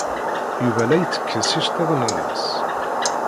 Yuba la ittekkes iceḍḍiḍen-nnes.